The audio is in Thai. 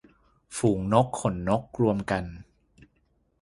ฝูงนกขนนก - รวมกัน